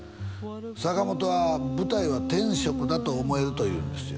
坂本は舞台は天職だと思えると言うんですよ